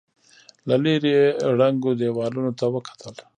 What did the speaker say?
له ليرې يې ړنګو دېوالونو ته وکتل.